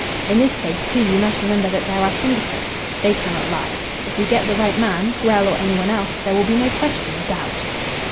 In this case, too, you must remember that there are finger prints. They cannot lie. If we get the right man Grell or any one else there will be no question of doubt."